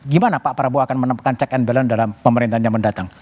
gimana pak prabowo akan menemukan check and balance dalam pemerintahan yang mendatang